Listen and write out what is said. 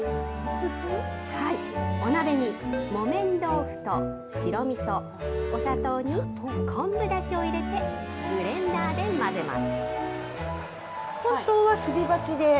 お鍋に木綿豆腐と白みそ、お砂糖に昆布だしを入れて、ブレンダーで混ぜます。